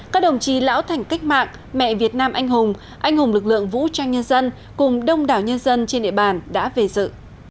các đồng chí lão thành cách mạng mẹ việt nam anh hùng anh hùng lực lượng vũ trang nhân dân cùng đông đảo nhân dân trên địa bàn đã về dự